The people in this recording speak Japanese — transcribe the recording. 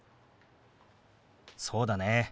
そうだね。